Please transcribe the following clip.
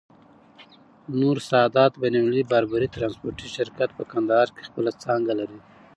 نور سادات بين المللی باربری ترانسپورټي شرکت، په کندهار کي خپله څانګه لری.